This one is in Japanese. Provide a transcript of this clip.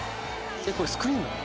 これスクリーン？